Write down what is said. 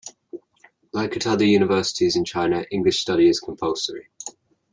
Like at other universities in China, English study is compulsory.